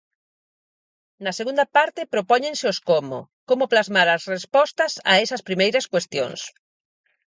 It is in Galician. Na segunda parte propóñense os como, como plasmar as respostas a esas primeiras cuestións.